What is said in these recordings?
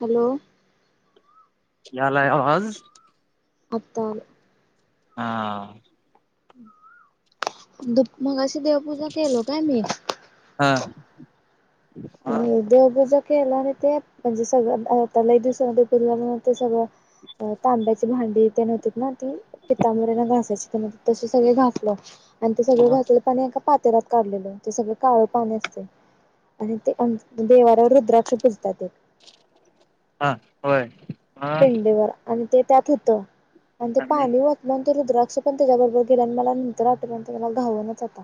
Hello यालाय आवाज आता आला हा धूप मग अशी देवपूजा केलो काय मी? हा. आणि देवपूजा केला आणि ते म्हनजे सगळं त्याला लय दिवसां पुजल ते सगळं तांब्याची भांडी नव्हती ना ती, पितांबरीने घासायची तसे सगळे घासल्यात. आणि ते सगळं घासलेलं पाणी एका पातेल्यात काढलेलं ते सगळं काळ पाणी असते आणि ते देवाऱ्ह्यावर रुद्राक्ष पुजतात ते हा होय. हा पिंडेवर आणि ते त्यात होतं आणि ते पाणी ओतलं तो रुद्राक्ष पण त्याच्याबरोबर गेला आणि मला नंतर आठवल आणि त्या मला गावनाच आता.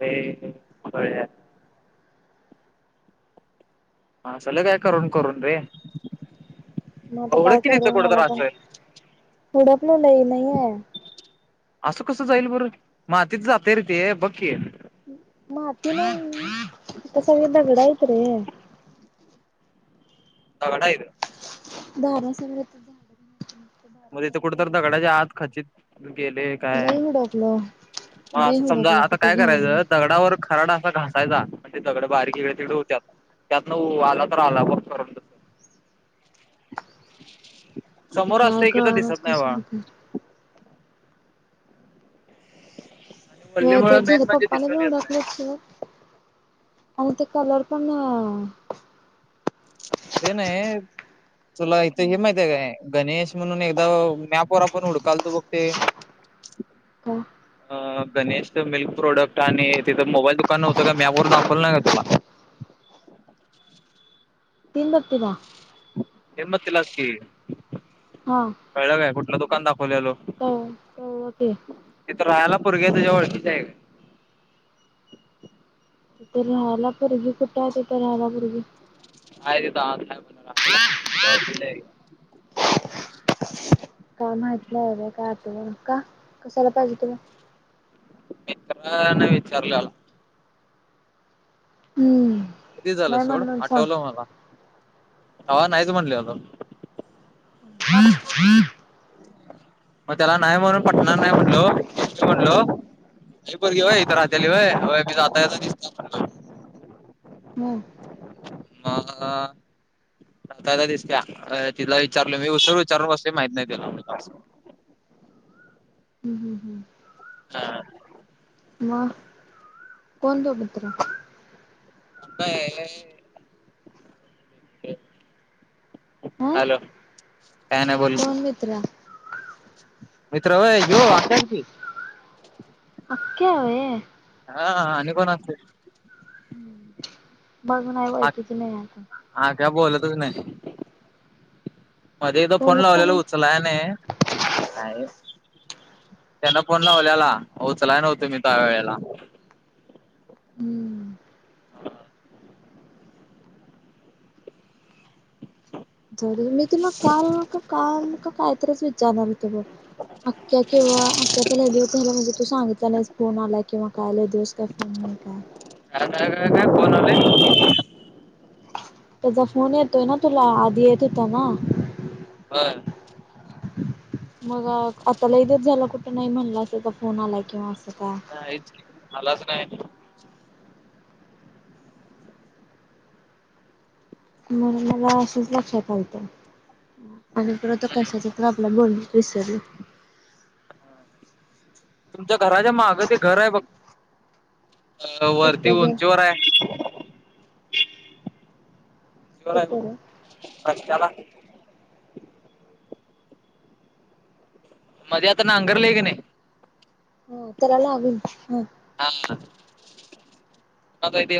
हे बळ असलं काय करून करून रे मग आता हुडक काय की तिथं कुट तर असल हुडकल लई नाही आहे. अस कस जाईल बर, मातीत जातंय रे ते बघकी माती नाही, इथ सगळी दगड आहेत रे दगड आहेत? दारा समोर आहे मग तीथ कुठ तर दगडायच्या आत खचित गेले काय, लई हुडपलो मग लई असं समजा हुडपलो आता कुठं काय घालून करायचं दगडावर खराडा घासायचा म्हणजे दगड बाारीक इकडे तिकडे होत्यात त्यातन वर आला तर आला बग करून तस [inaudible] आता काय असतंय की तर कळानाच दिसत नाही कस बाळा ते? आणि होय ते वल्लीमुळे मेन झुडूप म्हणजे पप्पांनी बी दिसून येत हुडकलय नाही सगळं अहो ते कलर पण निळा ते नाय तुला इथ हे माहित हाय काय? गणेश म्हणून एकदा मॅप वर आपण हुडकालतो बग ते का? अ गणेशच मिल्क प्रोडक्ट आणि तिथं मोबाईल दुकान नव्हतं का मॅप वर दाखवल नाही का तुला? [inaudible] तीन बत्तीदा तीनबत्तीदाच [inaudible] कि हा कळलं काय कुठलं दुकान दाखव खल्यालो कळ कळलं की ते तर राहायला पोरगी तुझ्या ओळखीचे आहे का? तिथ राहायला पोरगी कुठे तिथ राहायला पोरगी? हय तेतय बलाला ज [inaudible] का माहित नाही आहे रे काय आत का कसला पाहिजे तुला? मित्रने विचारलेला हम्म. की झालं नाही सोड म्हणून सांग आठवलं मला तवा नाहीच म्हणलेलो. हम्म हम्म [inaudible] मग त्याला नाही म्हणून पटणार नाही म्हणलो म्हणलो अ बर घे वय इथ राह्याली वयी जाता दिसत [unintelligible] हम. मग आता आ दिसते तिथला विचारल मी उचरून विचारून कसले माहित नाही दिला म्ह [inaudible] हम् हम्म हम्म. हा. वा कोण तो मित्र? अपय, [inaudible] अ हॅलो काय नाय कोण मित्र मित्र हय यो आशशी अक्या होय, हा आणि कोण असते. बघ नाही हा ओळखीची नाही आता आक्या बोलतच नाही. मध्ये एकदा फोन बोलत का लावलेला नाही उचलाय नय त्यांना फोन लावल्याला उचलाय नव्हतो मी त्या वेळेला, [inaudible] हम्म हा. जर मी तुमला काल का काल का कायतरीच विचारणार होते बघ अख्ख्या कें अख्याचा ल दिवस्याला म्हणजे तू सांगितला नाहीस फोन आला किंवा काय ल दिेवस काय फोन आणि का, [unintelligible] त्याचा फोन येतोय ना तुला आधी येत होता ना होय मग आताला लई दिवस झाला कुठं नाही म्हणलं. फोन आलाय किंवा असं काय नाहीच की आलाच नाही, मुला मला असच लक्षात आलतं. आणि परत हम्म. कशाच तर आपल्या बोलन विसरल [inaudible] [inaudible] तुमच्या घराच्या मागं ते घर आहे बघ [inaudible] अ वरती कसलं ग उंचीवर आहे. [inaudible] कुठं रे? [unintelligible] मध्ये आता नांगरलेय कनाही ह तेला लागूनच, हा [inaudible] कोणाचं हाय ते,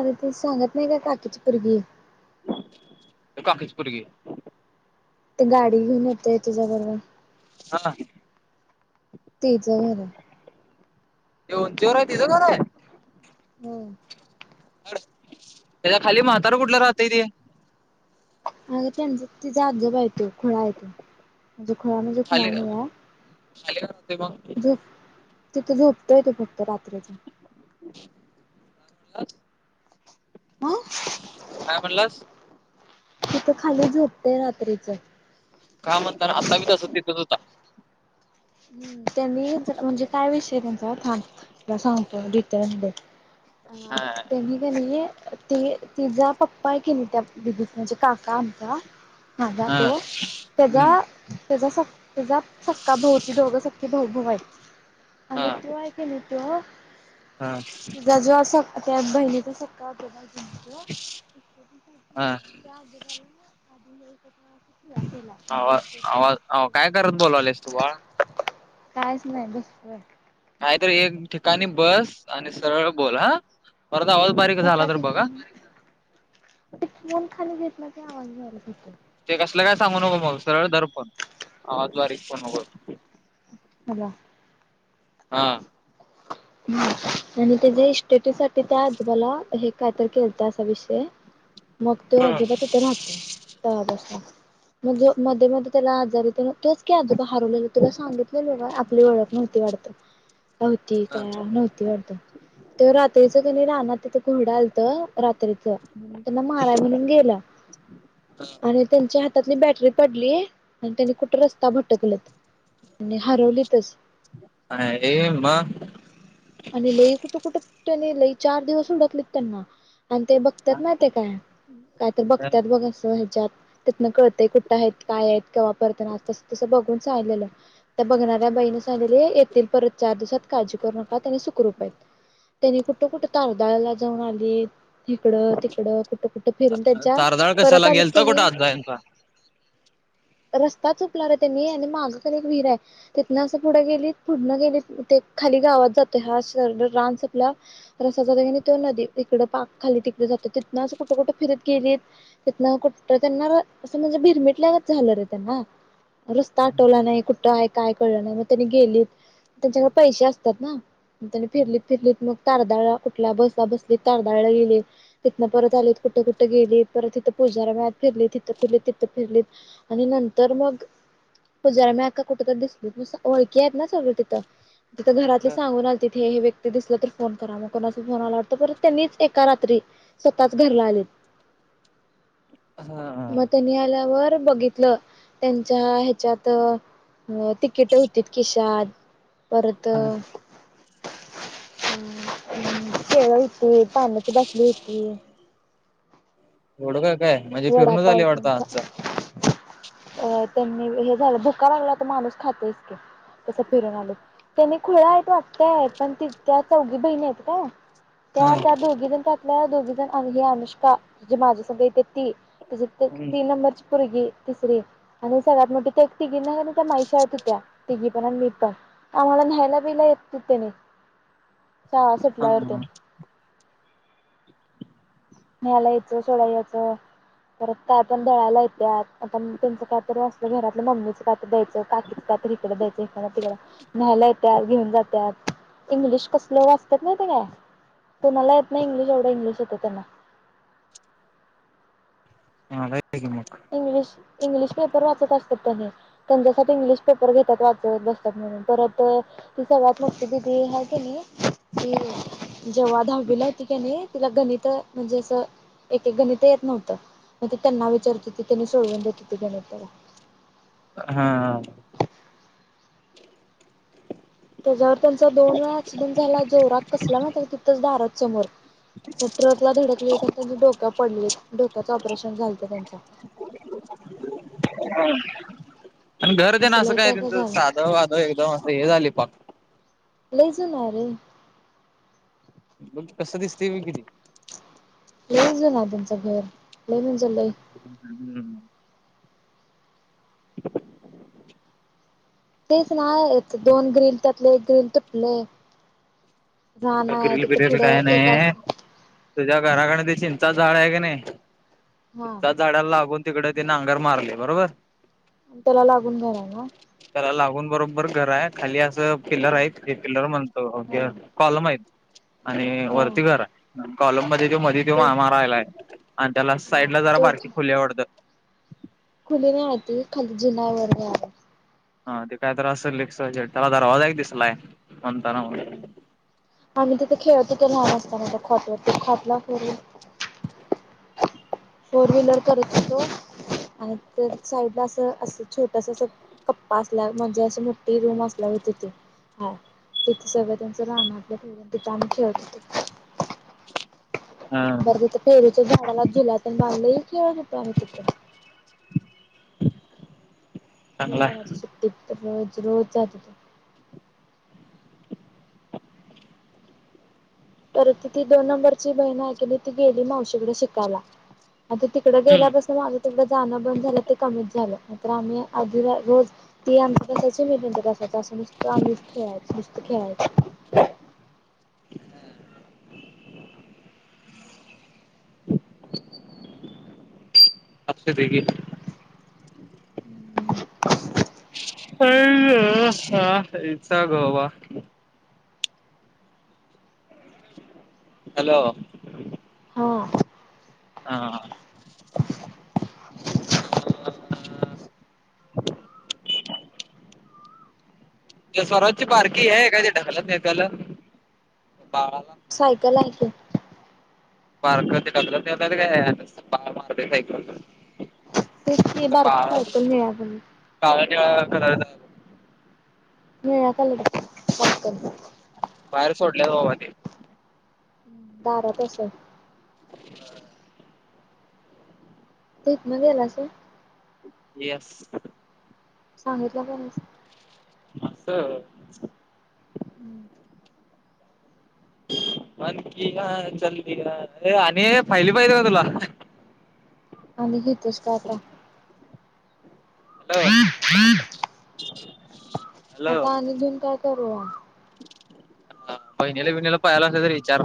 अरे त सांगत नाही का काकीची पोरगी- कुठल्या काकीची पोरगी ते गाडी घेऊन येतय तुज्याबरोबर, हा, तेच घर, एवढ्या उंचीवर तीच घर आहे. हम्म. त्याच्या खाली म्हातार कुठलं राहतय ते? अग त्यांच त जाातजबा येतो खोळा आहे तो. अग खुळा म्हणजे खुळा नाहीये. अल अतमा, तिथं झोपतय तो फक्त रात्रीच. कावडला [inaudible] हा काय म्हणलंस? तिथं खाली झ होपतेय रात्रीच. काय म्हणताना आत्ता बी तसं तिथच होता. हम् त्यांनी म्हणजे काय विषय त्यांचा थांब सांगतो तुला डिटेल मध्ये. [inaudible] ह हा तेनी का नाही. त तिचाा पप्पा आहे की नाही त्या दिदीत म्हणजे काका आमचा. माझा हा तो हम्म त्याचा त्याचा त्याचा सक्का भाऊ. सखे भाऊभऊ आहेत हा आणि तो आहे की नाही तो. हा. तिचा जो स त्या बहिणीचा सक्का आजोबा आहे म्हटलं हा त्या आजोबाला [inaudible] केल आवाज आवाज आव काय करत बोलावलेस तू बाळ [inaudible] कायच नाही बसलो. काहीतरी एक ठिकाणी बस आणि सरळ बोल हा. परत आवाज बारीक झाला एका तर बघा ठिकाणी ते फोन खाली घेतलं ते आवाज यालत. ते कसलं काय सांगू नको मग सरळ दर फोन हं सॉरी हॅलो. हा. आणि त्याच्या इस्टेटि साठी त्या आजोबाला हे काय तरी केलंता असा विषय मग तो आजोबा तिथे राहतोय तेव्हापासून. म मध्ये मध्ये त्याला आजारी तोच क आजूबा हरवलेल तुला सांगितलं ल आपली ओळख नव्हती वाटतं नव्हती. हा. नव्हती वाटतं रात्रीच क राहना तिथं घोडा आलत रात्रीच म् त्यांना माराय म्हणून गेलं आणि त्यांच्या हात त्यातली बॅटरी पडलीय आणि त्यानी कुठे रस्ता भटकलात. आणि हरवलीत च. हे मग आणि लई कुठं कुठं त्याने लई चार दिवस उडकलीत त्यांना. आणि ते बघतात ना ते काय काय तर बघतात बघ अस ह्याच्यात. तिथनं कळते कुठं आहेत काय आहेत क वापरते ना तसं तसं बघून सांगितलेल. त्या बघणाऱ्या बाईणी सांगले येतील परत चार दिवसात चार दिवसात काळजी करू नका. का त्यानी सुखरूप आहेत. त्यानी कुठं कुठ तारदाळला जाऊन आलीत. इकडं तिकडं, कुठं कुठं फिरून त्यांच्या तारदाळ परत कशाला आलेत गेलता कनी कुठं आज यांचा [unintelligible] [inaudible] रस्ता चुकला रे त्यांनी आणि मागं ख एक विहीर आहे तिथनं असं पुढं गेली पुढन गेली ते खाली गावा ह सर रानस संपल्यावर रस्ता जात क त नदी तिकड पाक खाली तिकडे तिनच कुठ कठ फिर केली तिथन कुठ त्यांना असं म्हणजे भिरमिटल्याच झालं रे त्यांना. रस्ता आठवला नाही कुठं आहे काय कळलं नाही मग त्यांनी गेलीत त्यांच्याकडे पैसे असतात ना. त्यांनी फिरलीत फिरलीत मग तारदाळ ला कुठल्या बसला बसलीत तारदाळला गेले तिथन परत आलीत. कुठं कुठं गेली परत तिथं पूजारा मळत फिरली तिथं फिरलीत तिथं फिरलीत आणि नंतर मग पुजारी मळ्यात कुठ तरी दिसलीत ओळखी आहेत ना सगळं तिथं, तिथं घरातली सांगून ही ही व्यक्ती दिसलं तर फोन करा, मग कोणा फोन आला वाटत परत त्यांनीच एका रात्री स्वतःच घरला आलेत. [inaudible] हा मग त्यांनी आल्यावर बघितलं त्यांच्या ह्याच्यात अ तिकीट होती किशाात. परत केळ ते पाण्याची बाटली होती. थोडं का काय म्हणजे फिरून वडापाव आले तेन वाटता खा आजा. अ त्यांनी हे झालं भुका लागला तर माणूस खातेयच की. तसं फिरून आल त्यानी खुळ आहेत वाटतय, पण ति त्या चौघी बहीणी आहेत काय. त्या हा त्या दोघी जण त्यातल्या दोघी जण हे अनुष्का जे माझ्या संघ येत्या ती. त तीन नंबरची पोरगी. तिसरी आणि सगळ्यात मोठी ते तिघी नाही त्या माईशा यत होत्या. तिघी पण आणि मी पण त्यामुळ ह्यायला बिला येत तिनी [unintelligible] शाळा सुटल्या वरती. हा न्यायला यायचं सोडा याचं. परत काय पण दळा्याला येतल्या आपण त्यांचं काय तरी असत घरातलं मम्मीचं का द्यायचं काकीच का तिकडं द्यायच, तिकड न्यायला येत्यात, घेऊन जात्यात. इंग्लिश कसल वाचतात माहित आहे काय कोणाला येत नाही, इंग्लिश एवढं इंग्लिश येतं त्यांना. हा लई येतंय मग. इंग्लिश इंग्लिश पेपर वाचत असतात. त्यांने त्यांच्यासाठी इंग्लिश पेपर घेतात वाचत बसतात म्हणून परत ती सगळ्यात म्हटती दिदी ह की नाही की जेव्हा दहावीला होती क नाही. तिला गणित म्हणजे असं एक एक गणित येत नव्हतं मग ते त्यांना विचारत होती. ति त्यांने सोडवून देत त गणित. हा [inaudible] त्याच्यावर त्यांचा दोन वेळा ऍक्सिडेंट झाला जोरात कसला ना त्या तिथंच दारात समोर. जर ट्रक ला धडकले तर त्यांचा डोक पडले डोक्याच ऑपरेशन झालत त्यांचा. [inaudible] आणि घर दे ना असं काय त्यांचं साधव वाधव एकदम असं हे झालंय पाक लई जुना आहे रे! मग कसं दिसते मी किती. लई जुना आहे तुमचं घर. लय म्हणजे लय हम्म [inaudible] तेच ना दोन ग्रल त्यातले एक ग्रील तुटले. रान आहे तकील तिथं बिरल पुढं काय एक नाही अस तुझ्या घराकडे देशील. झाड आहे का नाही हा त्यांच्या झाडाला लागून तिकडे तिने अंगर मारले बरोबर. त्याला लागून घर आहे ना? ला लागून बरोबर घर आहे खाली असं पिल्लर आहे ते पिल्लर म्हणतो हे हा आणि हा वरती घर आहे कॉलम मध्ये ज मध्ये ते मामा राहिलाय. आणि त्याला साईड हा ला जरा तर बारकी खुली हाय वाटतं. आ खाली जिनावर आ हा ते काय तर असेल एक्स वाय झेड त्याला दरवाज एक दिसलाय. म्हणताना मग आ् तथ खेळ तिथं लहान असताना हो खोथवरत खोतला फर फोर व्हीलर करत होतो. आणि साईडला असं असं छोटस अस कप्पा असल्या म्हणजे अस मोठठी रूम असल्या तिथे सगळं त्यांचं राहान आपलं तिथे आम्ही खेळत हो. हा बरं तिथ फेरीच्या झाडाला झुलात बांधलं खेळत आता आम्ही तिथं. मे चांगला आहे मलाच्या सुट्टीत तर रोज रोज जात त. परत ती दोन नंबरची बहीण ऐकली. ती गेली मावशीकडे शिकायला. आता तिकडं हम्म गेल्यापासून माझ तिकडं. जाणं बद झालं ते कमीच झालं नायतर आम्ही आधी ना रोज ते आमच्या असायचे मी त्यांच्यात असायची. नुसतं आम्हीच खेळायच नुसतं खेळायच. [inaudible] [unintelligible] अ हा-हा इचा घोवा हॅलो! हा हा [inaudible] ज सर्वोच्च बारकी ह काय ते ढकलत नाही त्याल. सायकल हाय की. बारक ते ढकलत नेताली काय आणि बा मारतंय सायकल, तेच ती बारकी सायकल निळ्या कलर काय निळा कलरच. निळ्या कलर [unintelligible] बाहेर सोडल्यात बाबा ते. दारात असेल. तितन गेलास व्हय येस सांगितलं का नायस असचं हम्म [inaudible] आणखीया चल दिया ये आणी फायली पाहिजीती का तुला आणि घेतोयस का आाता हॅलो [unintelligible] हॅलो आता आणि घेऊन काय करू ओ अ आ बहिणीला पहिनीला पाहिजेल तर आणी इचार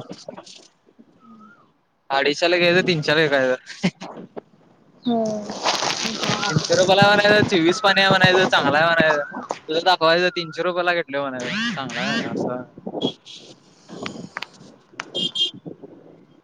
अडीचशला घ्यायचं तीनशला इकायच होय तीनशे रुपयला आणायचं आणी चोवीस पाणी म्हनायच चांगला म्हनायचं तुझ दाखवायचं तीनशे रुपयेला घेेतले म्हणे चांगलाय असं [inaudible]